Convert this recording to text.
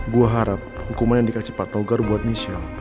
gua harap hukuman yang dikasih cepat togar buat michelle